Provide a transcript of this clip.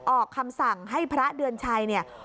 ออกคำสั่งให้พระเดือนชัย